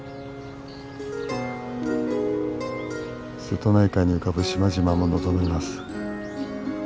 瀬戸内海に浮かぶ島々も望めます。